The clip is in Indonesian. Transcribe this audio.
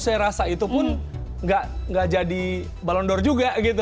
saya rasa itu pun nggak jadi ballon d or juga gitu